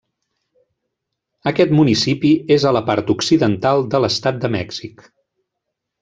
Aquest municipi és a la part occidental de l'estat de Mèxic.